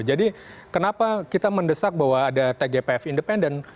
jadi kenapa kita mendesak bahwa ada tgpf independen